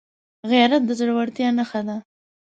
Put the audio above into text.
غیرت د زړورتیا نښه ده